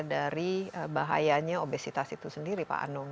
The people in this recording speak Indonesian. dari bahayanya obesitas itu sendiri pak anung